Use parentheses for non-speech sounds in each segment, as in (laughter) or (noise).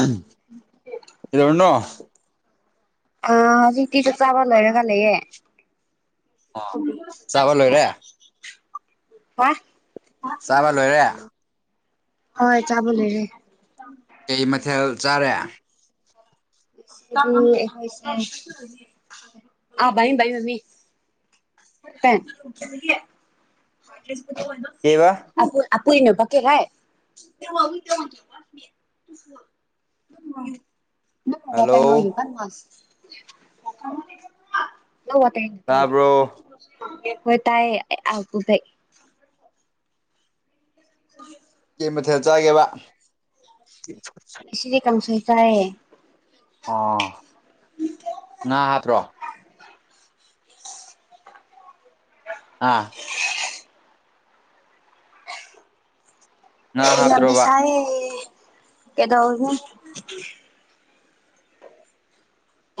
ꯎꯝ ꯀꯩꯗꯧꯔꯤꯅꯣ ꯑꯥ ꯍꯧꯖꯤꯛꯇꯤ ꯆꯥꯛ ꯆꯥꯕ ꯂꯣꯏꯔꯒ ꯂꯩꯌꯦ ꯆꯥꯕ ꯂꯣꯏꯔꯦ ꯍꯥ ꯆꯥꯕ ꯂꯣꯏꯔꯦ ꯍꯣꯏ ꯆꯥꯕ ꯂꯣꯏꯔꯦ ꯀꯩ ꯃꯊꯦꯜ ꯆꯥꯔꯦ ꯎꯝ (unintelligible) ꯃꯃꯤ ꯀꯩ ꯀꯩꯕ ꯑꯄꯨꯏ ꯑꯄꯨꯅ ꯕꯀꯦ ꯖꯩ (unintelligible) ꯍꯣꯏ ꯑꯗꯨꯝ ꯂꯣꯏꯔꯦ ꯅ ꯍꯜꯂꯣ ꯋꯥꯇꯅꯣ ꯋꯥꯟ ꯃꯥꯁ ꯅꯧ ꯋꯥꯇꯥꯏ (unintelligible) ꯇꯥꯕ꯭ꯔꯣ ꯍꯣꯏ ꯇꯥꯏꯌꯦ ꯑꯚ ꯀꯨꯄꯦ ꯎ ꯀꯩ ꯃꯊꯦꯜ ꯆꯥꯒꯦꯕ ꯁꯤꯗꯤ ꯀꯪꯁꯣꯏ ꯆꯥꯏꯌꯦ ꯑꯣ ꯉꯥ ꯍꯥꯞꯇ꯭ꯔꯣ (unintelligible) ꯑꯥ ꯉꯥ ꯏꯅꯝꯅꯤ ꯍꯥꯞꯇ꯭ꯔꯣꯕ ꯁꯥꯏꯌꯦ ꯀꯗꯧꯔꯤꯒꯦ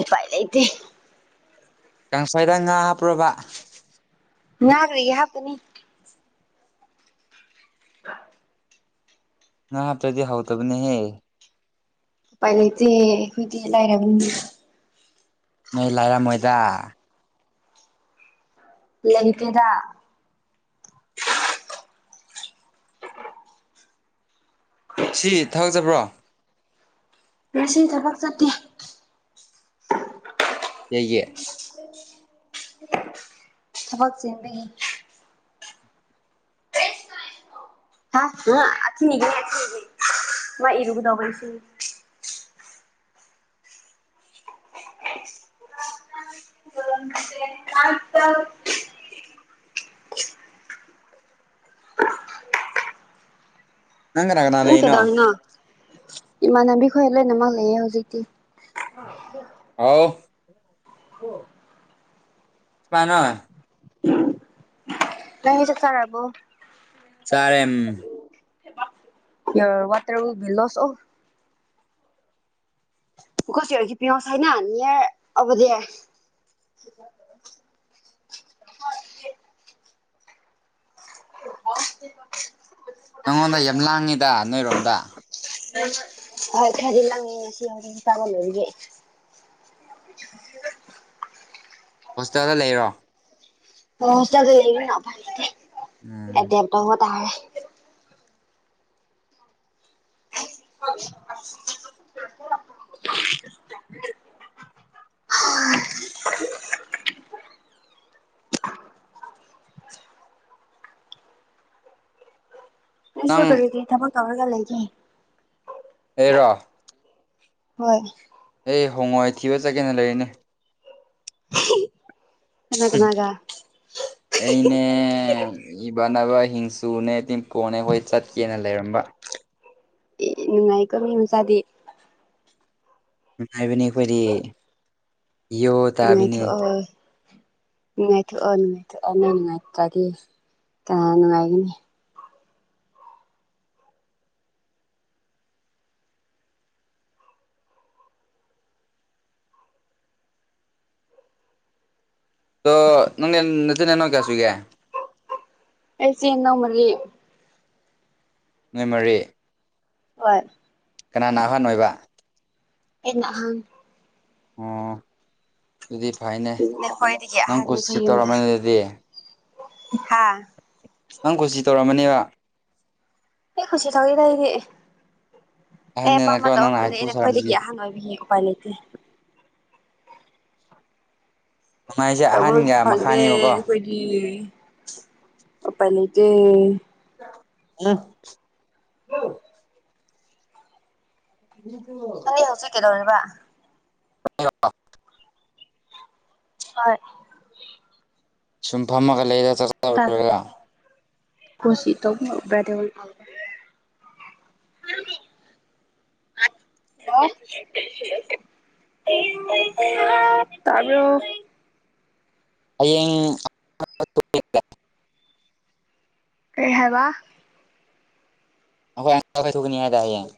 ꯎꯄꯥꯏ ꯂꯩꯇꯦ ꯀꯥꯡꯁꯣꯏꯗ ꯉꯥ ꯍꯥꯞꯄ꯭ꯔꯥꯕ ꯉꯥ ꯀꯔꯤꯒꯤ ꯍꯥꯞꯇꯅꯤ ꯉꯥ ꯍꯥꯞꯇ꯭ꯔꯥꯗꯤ ꯍꯥꯎꯇꯕꯅꯦꯍꯦ ꯎꯄꯥꯏ ꯂꯩꯇꯦ ꯑꯩꯈꯣꯏꯗꯤ ꯂꯥꯏꯔꯕꯅꯤꯅ ꯅꯣꯏ ꯂꯥꯏꯔꯝ ꯃꯣꯏꯗ ꯂꯪꯇꯦꯗ ꯁꯤ ꯊꯕꯛ ꯆꯠꯄ꯭ꯔꯣ ꯉꯁꯤ ꯊꯕꯛ ꯆꯠꯇꯦ ꯀꯩꯒꯤ ꯊꯕꯛ ꯆꯤꯟꯕꯒꯤ (unintelligible) ꯃꯥ ꯢꯔꯨꯒꯗꯧꯕ ꯢꯁꯤꯡ (unintelligible) ꯅꯪ ꯀꯅꯥ ꯀꯅꯥ ꯅꯪ ꯂꯩꯔꯤꯅꯣ ꯀꯩꯗꯧꯔꯤꯅꯣ ꯏꯃꯥꯟꯅꯕꯤ ꯈꯣꯢ ꯂꯣꯏ ꯅꯃꯛ ꯂꯩꯌꯦ ꯍꯧꯖꯤꯛꯇꯤ ꯍꯥꯎ ꯄꯥꯅ ꯅꯪꯗꯤ ꯆꯥꯛ ꯆꯔꯕꯣ ꯆꯔꯦꯝ ꯌꯣꯔ ꯋꯇ꯭ꯔ ꯋꯤꯜꯕꯤ ꯂꯣꯁ ꯑꯣ ꯕꯤꯀꯣꯁ ꯌꯣꯔ ꯀꯤꯄꯤꯡ ꯑꯥꯎꯠ ꯁꯥꯢꯠꯅ ꯅꯦ꯭ꯌꯔ ꯑꯣꯕ꯭ꯔ ꯗꯤꯌꯔ (unintelligible) ꯅꯪꯉꯣꯟꯗ ꯌꯥꯝ ꯂꯥꯡꯉꯤꯗ ꯅꯣꯏꯔꯣꯝꯗ (unintelligible) ꯍꯣꯁꯇꯦꯜꯗ ꯂꯩꯔꯣ ꯍꯣꯢ ꯍꯣꯁꯇꯦꯜꯗ ꯂꯩꯌꯦꯅ ꯎꯝ ꯑꯦꯗꯦꯞ ꯇꯧꯕ ꯇꯥꯔꯦ (unintelligible) ꯑꯩꯁꯨ ꯅꯪ ꯀꯔꯤꯒꯤ ꯊꯕꯛ ꯇꯧꯔꯒ ꯂꯩꯒꯦ ꯑꯦꯔꯣ ꯍꯣꯏ ꯑꯩ ꯍꯣꯡꯉꯣꯏ ꯊꯤꯕ ꯆꯠꯀꯦꯅ ꯂꯩꯔꯤꯅꯦ ꯀꯅꯥ ꯍꯨꯝ ꯀꯅꯥꯒ ꯑꯩꯅꯦ ꯏꯕꯅꯕ ꯍꯤꯡꯁꯨꯅꯦ ꯇꯤꯝꯀꯣꯅꯦ ꯑꯈꯣꯏ ꯆꯠꯀꯦꯅ ꯂꯩꯔꯝꯕ ꯑꯦ ꯅꯨꯡꯉꯥꯏꯀꯣ ꯃꯤ ꯃꯆꯥꯗꯤ ꯅꯨꯡꯉꯥꯏꯕꯅꯦ ꯑꯩꯈꯣꯏꯗꯤ ꯌꯣ ꯇꯥꯕꯤꯅꯤ ꯅꯨꯡꯉꯥꯏꯊꯣꯛ ꯑꯣꯢ ꯅꯨꯡꯉꯥꯏꯊꯣꯛꯑꯣ ꯅꯨꯡꯉꯥꯏꯊꯣꯛꯑꯣ ꯅꯣꯢ ꯅꯨꯡꯉꯥꯏꯇ꯭ꯔꯗꯤ ꯀꯅꯥꯅ ꯅꯨꯡꯉꯥꯏꯒꯅꯤ ꯑꯗꯣ ꯅꯪꯗꯤ ꯅꯆꯤꯟ ꯅꯅꯥꯎ ꯀꯌꯥꯁꯨꯒꯦ ꯑꯩ ꯏꯆꯤꯟꯅꯥꯎ ꯃꯔꯤ ꯅꯣꯢ ꯃꯔꯤ ꯍꯣꯏ ꯀꯅꯥꯅ ꯑꯍꯟ ꯑꯣꯏꯕ ꯑꯩꯅ ꯑꯍꯟ ꯑꯣ ꯑꯗꯨꯗꯤ ꯐꯩꯅꯦ ꯅꯪ ꯀꯨꯁꯤ ꯇꯧꯔꯝꯃꯅꯤ ꯑꯗꯨꯗꯤ ꯍꯥꯥ ꯅꯪ ꯀꯨꯁꯤ ꯇꯧꯔꯝꯃꯅꯤꯕ ꯑꯩ ꯈꯨꯁꯤ ꯇꯧꯗꯦꯗ ꯑꯩꯗꯤ ꯑꯩ ꯑꯍꯟꯅꯤꯅꯀꯣ ꯑꯄꯥꯃꯕ ꯇꯧꯕ ꯅꯪꯅ ꯐꯪꯗꯦ ꯍꯥꯏꯊꯨ ꯑꯩꯅ ꯁꯥꯔꯝꯃꯅꯤ ꯈ꯭ꯋꯥꯏꯗꯒꯤ ꯑꯍꯥꯥꯟ ꯑꯣꯏꯕꯤ ꯎꯄꯥꯏ ꯂꯩꯇꯦ ꯅꯨꯡꯉꯥꯏꯁꯦ ꯇꯧꯕ ꯑꯍꯟꯒ ꯐꯪꯗꯦ ꯃꯈꯥꯅꯦꯕꯀꯣ ꯑꯈꯣꯢ ꯒꯤ ꯎꯄꯥꯏ ꯂꯩꯇꯦ ꯑꯦ (inaudible) ꯑꯦ ꯍꯧꯖꯤꯛ ꯀꯩꯗꯧꯔꯤꯕ ꯎ (unintelligible) ꯍꯣꯏ ꯁꯨꯝ ꯐꯝꯃꯒ ꯂꯩꯗ ꯆꯥꯛ ꯆꯕꯥ ꯂꯣꯢꯔꯒ ꯈꯨꯁꯤ ꯇꯧꯕꯤꯌꯨ (unintelligible) (unintelligible) ꯍꯜꯂꯣ ꯇꯥꯕ꯭ꯔꯣ ꯍꯌꯦꯡ ꯀꯩ ꯍꯥꯏꯕ ꯑꯩꯈꯣꯢ (unintelligible) ꯀꯥꯢ ꯊꯣꯛꯒꯅꯤ ꯍꯥꯢꯗꯥꯢ ꯍꯌꯦꯡ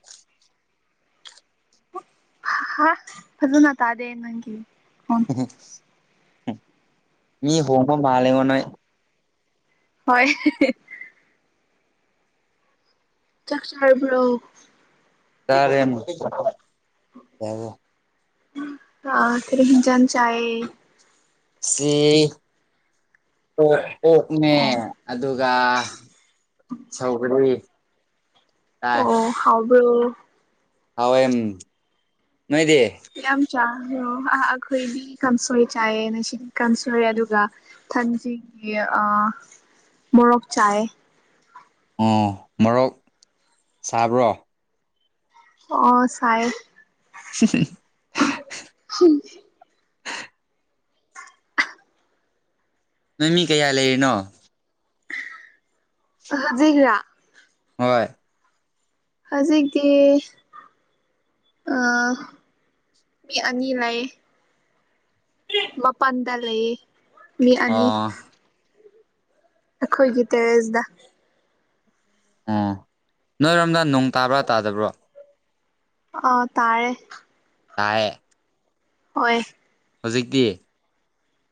ꯍꯥ ꯐꯖꯅ ꯇꯥꯗꯦ ꯅꯪꯒꯤ ꯃꯤ ꯍꯣꯡꯕ ꯃꯜꯂꯦ ꯅꯣꯢ ꯍꯣꯏ ꯆꯥꯛ ꯆꯥꯔꯕ꯭ꯔꯣ ꯆꯥꯔꯦ ꯑ ꯀꯔꯤ ꯌꯦꯟꯖꯥꯡ ꯆꯥꯢꯌꯦ ꯁꯤ ꯑꯣꯛ ꯑꯣꯛꯅꯦ ꯑꯗꯨ ꯑꯗꯨꯒꯥ ꯁꯧꯒ꯭ꯔꯤ ꯑꯣ ꯍꯥꯎꯕ꯭ꯔꯣ ꯍꯥꯎ ꯎꯝ ꯅꯣꯏꯗꯤ ꯌꯥꯝ ꯆꯥꯈ꯭ꯔꯣ ꯑꯥ ꯑꯩꯈꯣꯏꯗꯤ ꯀꯥꯡꯁꯣꯏ ꯆꯥꯏꯌꯦ ꯉꯁꯤꯗꯤ ꯀꯥꯡ ꯁꯣꯏ ꯑꯗꯨꯒ ꯊꯥꯡꯖꯤꯡꯒꯤ ꯃꯣꯔꯣꯛ ꯆꯥꯏ ꯑꯣ ꯃꯣꯔꯣꯛ ꯁꯥꯕ꯭ꯔꯣ ꯑꯣ ꯁꯥꯏꯌꯦ ꯍ ꯍꯦ (unintelligible) ꯍ (unintelligible) ꯅꯣꯢ ꯃꯤ ꯀꯌꯥ ꯂꯩꯔꯤꯅꯣ ꯍꯧꯖꯤꯛ ꯔꯥ ꯍꯣꯏ ꯍꯧꯖꯤꯛꯗꯤ ꯑꯥ ꯃꯤ ꯑꯅꯤ ꯂꯩ ꯃꯥ ꯄꯥꯟꯗ ꯂꯩ ꯃꯤ ꯑꯅꯤ ꯑꯣ ꯑꯩꯈꯣꯏꯒꯤ ꯇꯦꯔꯦꯁꯇ ꯑꯣ ꯅꯣꯏꯔꯣꯝꯗ ꯅꯣꯡ ꯇꯥꯕ꯭ꯔꯥ ꯇꯥꯗꯕ꯭ꯔꯣ ꯑꯥ ꯇꯥꯔꯦ ꯇꯥꯢꯌꯦ ꯍꯣꯏ ꯍꯧꯖꯤꯛꯇꯤ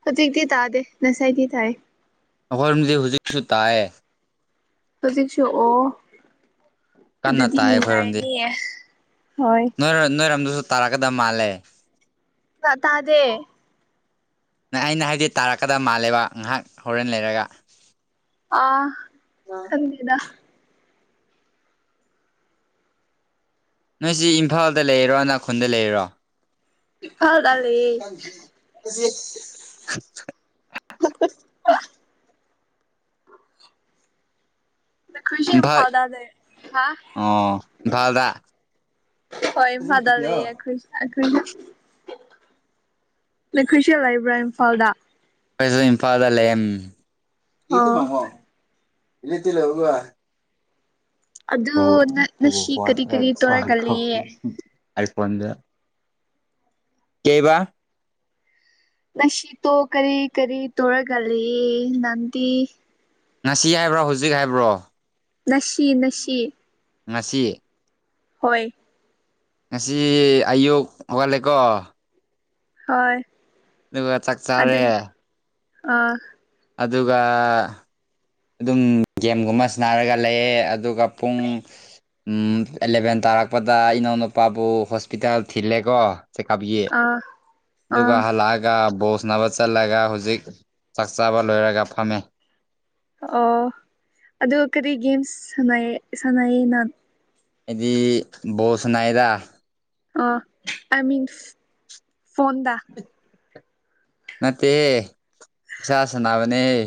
ꯍꯧꯖꯤꯛꯇꯤ ꯇꯥꯗꯦ ꯉꯁꯥꯏꯗꯤ ꯇꯥꯏ ꯑꯩꯈꯣꯢꯔꯣꯝꯗꯤ ꯍꯧꯖꯤꯛꯁꯨ ꯇꯥꯏꯑꯦ ꯍꯧꯖꯤꯛꯁꯨ ꯑꯣ ꯀꯟꯅ ꯑꯗꯨꯗꯤ ꯇꯥꯏ ꯅꯨꯡꯉꯥꯏꯅꯤꯌꯦ ꯍꯣꯏ ꯅꯣꯏ ꯅꯣꯏꯔꯣꯝꯗꯁꯨ ꯇꯥꯔꯛꯀꯗꯕ ꯃꯥꯜꯂꯦ ꯇꯥꯗꯦ ꯑꯩꯅ ꯍꯥꯏꯕꯗꯤ ꯇꯥꯔꯛꯀꯗꯕ ꯃꯥꯜꯂꯦꯕ ꯉꯥꯏꯍꯥꯛ ꯍꯣꯔꯦꯟ ꯂꯩꯔꯒ ꯑ ꯈꯟꯗꯦꯗ ꯅꯣꯏꯁꯤ ꯏꯝꯐꯥꯜꯗ ꯂꯩꯔꯣ ꯅꯥꯈꯨꯜꯗ ꯂꯩꯔꯤꯔꯣ ꯏꯝꯐꯥꯜꯗ ꯂꯩꯌꯦ (unintelligible) (inaudible) ꯅꯈꯣꯏꯁꯨ ꯏꯝꯐꯥꯜ ꯏꯝꯐꯥꯜꯗ ꯂꯩ ꯍꯥ ꯑꯣ ꯏꯝꯐꯥꯜꯗ ꯍꯣꯏ ꯏꯝꯐꯥꯜꯗ ꯂꯩꯌꯦ ꯑꯩꯈꯣꯏꯁꯨ ꯑꯩꯈꯣꯏ ꯑꯩꯈꯣꯏꯁꯨ ꯅꯈꯣꯏꯁꯨ ꯂꯩꯕ꯭ꯔꯥ ꯏꯝꯐꯥꯜꯗ ꯑꯩꯈꯣꯏꯁꯨ ꯏꯝꯐꯥꯜꯗ ꯂꯩꯌꯦ ꯎꯝ ꯑꯣ ꯑꯗꯨ ꯅ ꯅꯁꯤ ꯀꯔꯤ ꯀꯔꯤ ꯇꯧꯔꯒ ꯂꯩꯌꯦ (unintelligible) ꯑꯥꯏꯐꯣꯟꯗ ꯀꯦꯕ ꯅꯁꯤ ꯇꯣ ꯀꯔꯤ ꯀꯔꯤ ꯇꯧꯔꯒ ꯂꯩꯌꯦ ꯅꯪꯗꯤ ꯉꯁꯤ ꯍꯥꯏꯕ꯭ꯔꯣ ꯍꯨꯖꯤꯛ ꯍꯥꯏꯕ꯭ꯔꯣ ꯅꯁꯤ ꯅꯁꯤ ꯉꯁꯤ ꯍꯣꯏ ꯉꯁꯤ ꯑꯌꯨꯛ ꯍꯧꯒꯠꯂꯦꯀꯣ ꯍꯣꯏ ꯑꯗꯨꯒ ꯆꯥꯛ ꯆꯥꯔꯦ ꯑꯗꯨ ꯑꯥ ꯑꯗꯨꯒ ꯑꯗꯨꯝ ꯒꯦꯝꯒꯨꯝꯕ ꯁꯅꯥꯔꯒ ꯂꯩꯌꯦ ꯑꯗꯨꯒ ꯄꯨꯡ ꯑꯦꯂꯦꯚꯦꯟ ꯇꯥꯔꯛꯄꯗ ꯏꯅꯥꯎꯅꯨꯄꯥꯕꯨ ꯍꯣꯁꯄꯤꯇꯥꯜ ꯊꯤꯜꯂꯦꯀꯣ ꯆꯀꯥꯕꯤꯌꯦ ꯑꯥ ꯑꯗꯨꯒ ꯑꯥ ꯍꯜꯂꯛ ꯑꯒ ꯕꯣꯜ ꯁꯥꯟꯅꯕ ꯆꯠꯂꯒ ꯍꯨꯖꯤꯛ ꯆꯥꯛ ꯆꯥꯕ ꯂꯣꯏꯔꯒ ꯐꯝꯃꯦ ꯑꯣ ꯑꯗꯨ ꯀꯔꯤ ꯒꯦꯝꯁ ꯁꯥꯟꯅꯩ ꯁꯥꯟꯅꯩꯌꯦ ꯅꯪ ꯑꯩꯗꯤ ꯕꯣꯜ ꯁꯟꯅꯩꯌꯦꯗ ꯑꯥ ꯑꯥꯏ ꯃꯤꯟ ꯐꯣꯟꯗ ꯅꯠꯇꯦꯍꯦ ꯏꯁꯥ ꯁꯥꯟꯅꯥꯕꯅꯦꯍꯦ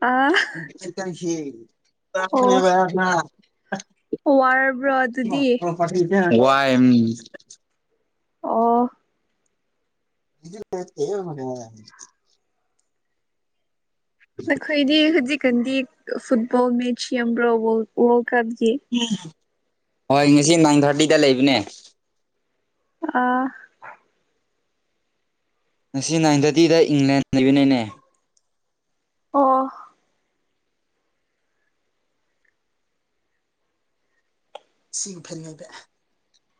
ꯑꯥ ꯑꯣ ꯋꯥꯔꯕ꯭ꯔꯣ ꯑꯗꯨꯗꯤ (unintelligible) (inaudible) ꯋꯥꯏ ꯎꯝ ꯑꯣ (unintelligible) ꯅꯈꯣꯏꯗꯤ ꯍꯧꯖꯤꯛꯀꯥꯟꯗꯤ ꯐꯨꯠꯕꯣꯜ ꯃꯦꯠꯆ ꯌꯦꯡꯕ꯭ꯔꯣ ꯕꯣꯜ ꯋꯥꯔꯜ ꯀꯞꯀꯤ ꯍꯣꯏ ꯉꯁꯤ ꯅꯏꯟ ꯊꯥꯔꯇꯤꯗ ꯂꯩꯕꯅꯦ ꯑ ꯉꯁꯤ ꯅꯥꯏꯟ ꯊꯥꯔꯇꯤꯗ ꯏꯪꯂꯦꯟ ꯂꯩꯕꯅꯦꯅꯦ ꯑꯣ ꯁꯤ ꯐꯅꯦꯕꯥ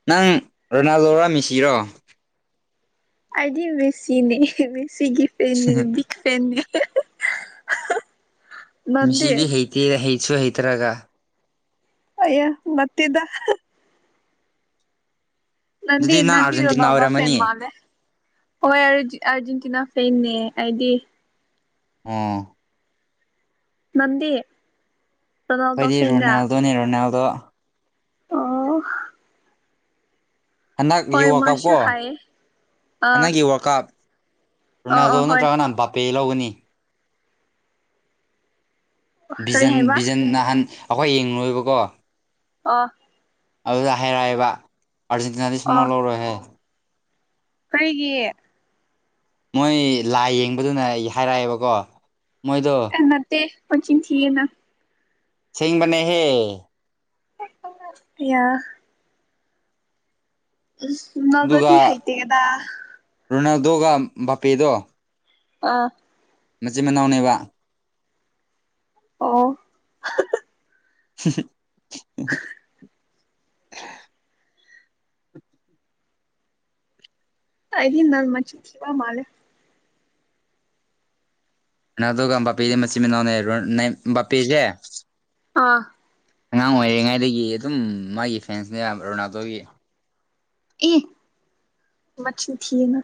ꯅꯪ ꯔꯣꯅꯥꯜꯗꯣꯔꯣ ꯃꯦꯁꯤꯔꯣ ꯑꯩꯗꯤ ꯃꯦꯁꯤꯅꯦ ꯃꯦꯁꯤꯒꯤ ꯐꯦꯟꯅꯦ ꯕꯤꯛ ꯐꯦꯟꯅꯦ ꯅꯪꯗꯤ ꯃꯦꯁꯤꯗꯤ ꯍꯩꯇꯦ ꯍꯩꯁꯨ ꯍꯩꯇ꯭ꯔꯒ ꯑꯌꯥ ꯅꯥꯠꯇꯦꯗꯥ ꯅꯟꯤ ꯑꯗꯨꯗꯤ ꯅꯪ ꯅꯟꯤ ꯑꯥꯔꯖꯦꯟꯇꯤꯅꯥ ꯅꯩꯅꯣꯗꯣ ꯐꯦꯟ ꯑꯣꯏꯔꯝꯃꯅꯤ ꯃꯥꯂꯦ ꯑꯣ ꯑꯔ ꯑꯔꯖꯦꯟꯇꯤꯅꯥ ꯐꯦꯟꯅꯦ ꯑꯩꯗꯤ ꯑꯣ ꯅꯥꯟꯗꯤ ꯑꯩꯈꯣꯏꯗꯤ ꯔꯣꯅꯦꯜꯗꯣꯅꯤ ꯔꯣꯅꯦꯜꯗꯣ ꯑꯣ ꯍꯟꯗꯛꯒꯤ ꯍꯣꯏ ꯋꯥꯔ꯭ꯜꯀꯞ ꯀꯣ ꯃꯥꯁꯨ ꯍꯥꯏꯌꯦ ꯑꯥ ꯍꯟꯗꯛꯒꯤ ꯋꯥꯔ꯭ꯜꯀꯞ ꯑꯥ ꯔꯣꯅꯥꯜꯗꯣ ꯑꯥ ꯍꯣꯏ ꯅꯠꯇ꯭ꯔꯒꯅ ꯕꯥꯄꯦ ꯂꯧꯒꯅꯤ ꯀꯔꯤ ꯚꯖꯟ ꯍꯥꯏꯕ ꯚꯤꯖꯟ ꯅꯍꯥꯟ ꯑꯩꯈꯣꯏ ꯌꯦꯡꯂꯨꯑꯦꯕꯀꯣ ꯑꯣ ꯑꯗꯨꯗ ꯍꯥꯏꯔꯛꯑꯦꯕ ꯑꯥꯔꯖꯦꯟꯇꯤꯅꯥꯗꯤ ꯑꯣ ꯁꯨꯝꯅꯣ ꯂꯧꯔꯣꯏꯍꯦ ꯀꯔꯤꯒꯤ ꯃꯣꯏ ꯂꯥꯏ ꯌꯦꯡꯕꯗꯨꯅ ꯑꯩ ꯍꯥꯏꯔꯛꯑꯦꯕꯀꯣ ꯃꯣꯏꯗꯣ ꯅꯠꯇꯦ ꯄꯟꯆꯤꯟ ꯊꯤꯒꯅꯣ ꯁꯦꯡꯕꯅꯦꯍꯦ ꯑꯌꯥ ꯎꯦꯁ ꯎ ꯅꯥꯜꯗꯣꯗꯤ ꯑꯗꯨꯒ ꯍꯥꯏꯇꯦ ꯗꯥ ꯔꯣꯅꯥꯜꯗꯣꯒ ꯕꯥꯄꯦꯗꯣ ꯑꯥ ꯃꯆꯤꯟ ꯃꯅꯥꯎꯅꯦꯕ ꯑꯣ (unintelligible) ꯑꯩꯗꯤ ꯅꯪ ꯃꯆꯤꯟ ꯊꯤꯕ ꯃꯥꯜꯂꯦ ꯅꯥꯜꯗꯣꯒ ꯕꯥꯄꯦꯁꯦ ꯃꯆꯤꯟ ꯃꯅꯥꯎꯅꯦ ꯔꯣ ꯅꯦꯜ ꯕꯥꯄꯦꯁꯦ ꯑꯥ ꯑꯉꯥꯡ ꯑꯣꯏꯔꯤꯉꯩꯗꯒꯤ ꯑꯗꯨꯝ ꯃꯥꯒꯤ ꯐꯦꯟꯁꯅꯦꯕ ꯔꯣꯅꯥꯜꯗꯣꯒꯤ ꯑꯦ ꯃꯆꯤꯟ ꯊꯤꯒꯅꯨ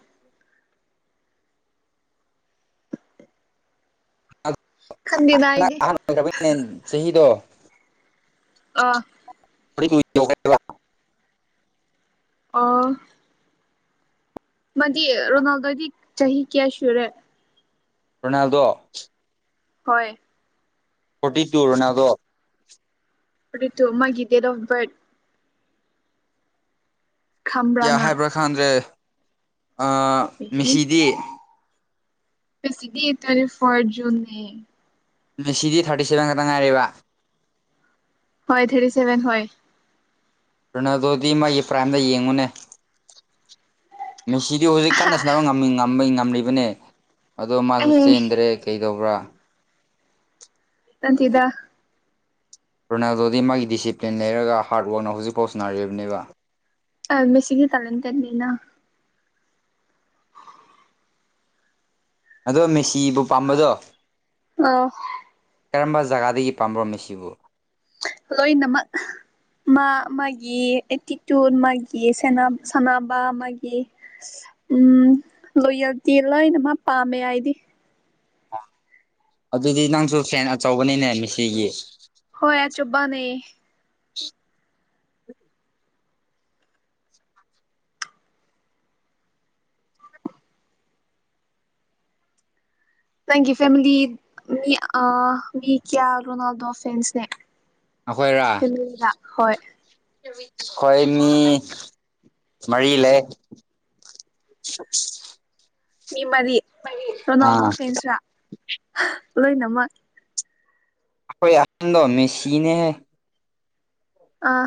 ꯈꯟꯗꯦꯗ ꯑꯥꯏꯗꯤ ꯑꯣꯏ (unintelligible) ꯅꯦ ꯆꯍꯤꯗꯣ ꯑꯥ (inaudible) ꯑꯣ ꯃꯗꯤ ꯔꯣꯅꯥꯜꯗꯣꯗꯤ ꯆꯍꯤ ꯀ꯭ꯌꯥ ꯁꯨꯔꯦ ꯔꯣꯅꯥꯜꯗꯣ ꯍꯣꯏ forty two Ronaldo forty two ꯃꯒꯤ ꯗꯦꯠ ꯑꯣꯐ ꯕꯤꯔꯠ ꯈꯪꯕ꯭ꯔꯥ ꯀ꯭ꯌꯥ ꯅꯪ ꯍꯥꯏꯕ꯭ꯔꯣ ꯈꯥꯡꯗ꯭ꯔꯦ ꯃꯤꯁꯤꯗꯤ ꯄꯦꯁꯤꯗꯤ ꯇꯤꯟꯇꯦ ꯐꯣꯔ ꯖꯨꯟꯅꯦ ꯃꯦꯁꯤꯗꯤ ꯊꯥꯔꯇꯤ ꯁꯕꯦꯟ ꯈꯛꯇ ꯉꯥꯏꯔꯦꯕ ꯍꯣꯏ ꯊꯔꯇꯤ ꯁꯦꯚꯦꯟ ꯍꯣꯏ ꯔꯣꯅꯥꯜꯗꯣꯗꯤ ꯃꯥꯒꯤ ꯄ꯭ꯔꯥꯏꯝꯗ ꯌꯦꯡꯉꯣꯅꯦ ꯃꯦꯁꯤꯗꯤ ꯍꯧꯖꯤꯛ ꯀꯟꯅ ꯁꯥꯟꯅꯕ ꯉꯝꯃꯦ ꯉꯝꯃꯦ ꯉꯝꯔꯤꯕꯅꯦ ꯑꯗꯣ ꯃꯥꯁꯨ ꯑꯦ ꯆꯦꯟꯗ꯭ꯔꯦ ꯀꯩꯗꯧꯕ꯭ꯔꯥ ꯅꯥꯠꯇꯦꯗ ꯔꯣꯅꯥꯜꯗꯣꯗꯤ ꯃꯥꯒꯤ ꯗꯤꯁꯤꯄ꯭ꯂꯤꯟ ꯂꯩꯔꯒ ꯍꯥꯔꯗ ꯋꯥꯛꯅ ꯍꯧꯖꯤꯛꯐꯥꯎ ꯁꯟꯅꯔꯤꯕꯅꯦꯕ ꯑꯥꯏ ꯃꯦꯁꯤꯒꯤ ꯀꯥꯔꯟ ꯇꯟꯗꯤꯅ ꯑꯗꯣ ꯃꯦꯁꯤꯕꯨ ꯄꯥꯝꯕꯗꯣ ꯑꯧ ꯀꯔꯝꯕ ꯖꯒꯥꯗꯒꯤ ꯄꯥꯝꯕ꯭ꯔꯣ ꯃꯦꯁꯤꯕꯨ ꯂꯣꯏꯅꯃꯛ ꯃꯥ ꯃꯥꯒꯤ ꯑꯦꯇꯤꯇꯨꯠ ꯃꯥꯒꯤ ꯁꯦꯟꯅ ꯁꯥꯟꯅꯕ ꯃꯥꯒꯤ ꯎꯝ ꯂꯣꯏꯌꯦꯜꯇꯤ ꯂꯣꯏꯅꯃꯛ ꯄꯥꯝꯃꯦ ꯑꯩꯗꯤ ꯑꯗꯨꯗꯤ ꯅꯪꯁꯨ ꯐꯦꯟ ꯑꯆꯧꯕꯅꯤꯅꯦ ꯃꯤꯁꯤꯒꯤ ꯍꯣꯏ ꯑꯆꯧꯕꯅꯦ (inaudible) ꯅꯪꯒꯤ ꯐꯦꯃꯤꯂꯤ ꯃꯤ ꯑꯥ ꯃꯤ ꯀꯌꯥꯕꯨꯅꯣ ꯗꯣ ꯐꯦꯟꯁꯦ ꯑꯩꯈꯣꯏꯔ ꯑꯩꯈꯣꯏ ꯃꯤ ꯃꯔꯤ ꯂꯩ (unintelligible) ꯃꯤ ꯃꯔꯤ ꯔꯣꯅꯥꯜꯗꯣ ꯑꯥ ꯐꯦꯟꯁꯔ ꯂꯣꯏꯅꯃꯛ ꯑꯈꯣꯏ ꯑꯍꯟꯗꯣ ꯃꯦꯁꯤꯅꯦ ꯍꯦ ꯑꯥ